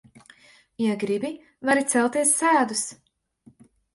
Ja gribi, vari celties sēdus.